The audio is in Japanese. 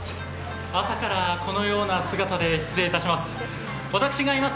朝からこのような姿で失礼いたします。